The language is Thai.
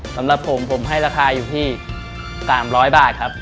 สำหรับผมผมให้ราคาอยู่ที่๓๐๐บาทครับ